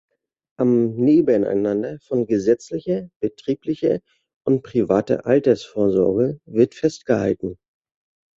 Am Nebeneinander von gesetzlicher, betrieblicher und privater Altersvorsorge wird festgehalten.